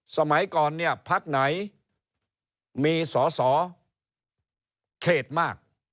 สมัยก่อนเนี่ยพักไหนมีสอสอเขตมาก